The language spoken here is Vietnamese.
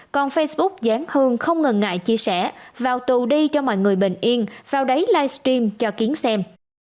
còn facebook gián hương không ngần ngại chia sẻ vào tù đi cho mọi người bình yên vào đáy livestream cho kiến xem